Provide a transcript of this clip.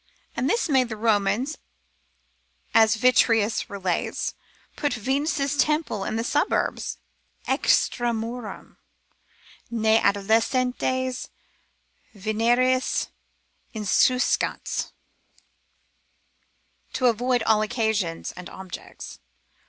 And this made the Romans, as Vitruvius relates, put Venus' temple in the suburbs, extra murum, ne adolescentes venereis insuescant, to avoid all occasions and objects.